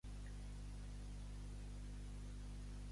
Ella era molt afectuosa, tot al contrari que Tezcatlipoca.